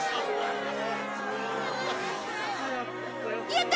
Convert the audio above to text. やった！